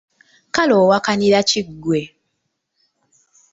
Kale owakanira ki ggwe!